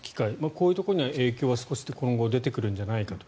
こういうところには影響は少し今後出てくるんじゃないかと。